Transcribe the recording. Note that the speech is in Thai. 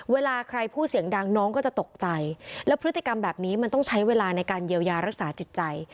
เวลาใครพูดเสียงดังน้องก็จะตกใจแล้วพฤติกรรมแบบนี้มันต้องใช้เวลาในการเยียวยารักษาจิตใจ